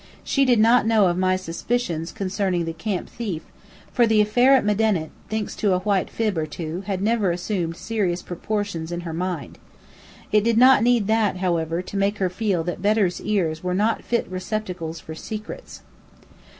She did not know of my suspicions concerning the "camp thief," for the affair at Medinet, thanks to a white fib or two, had never assumed serious proportions in her mind. It did not need that, however, to make her feel that Bedr's ears were not fit receptacles for secrets.